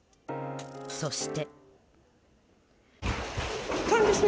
そして。